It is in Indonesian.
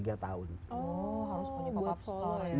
harus punya pop up store ya